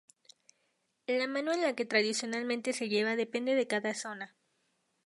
La mano en la que tradicionalmente se lleva depende de cada zona.